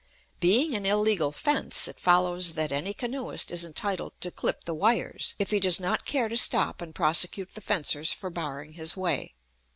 Being an illegal fence, it follows that any canoeist is entitled to clip the wires, if he does not care to stop and prosecute the fencers for barring his way.